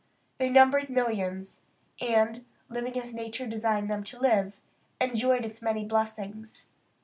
They numbered millions; and, living as nature designed them to live, enjoyed its many blessings.